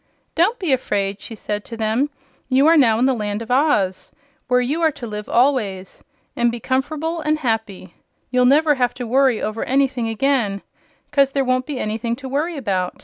"Don't be afraid," she said to them. "You are now in the Land of Oz, where you are to live always, and be comfer'ble an' happy. You'll never have to worry over anything again, 'cause there won't be anything to worry about.